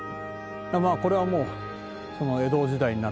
まあこれはもう江戸時代になってからだよね。